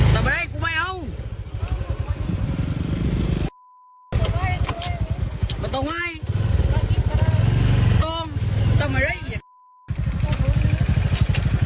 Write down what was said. ต้องเล่กกูไม่เอา